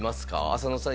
浅野さん